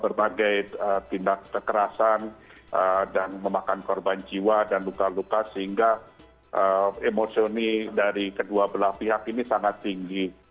berbagai tindak kekerasan dan memakan korban jiwa dan luka luka sehingga emosioni dari kedua belah pihak ini sangat tinggi